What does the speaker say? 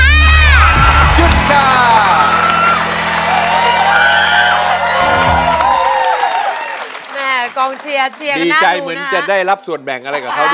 แม่กองเชียร์เชียร์กับหน้าตูนะครับดีใจเหมือนจะได้รับส่วนแบ่งอะไรกับเขาด้วย